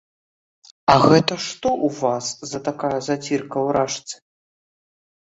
А гэта што ў вас за такая зацірка ў ражцы?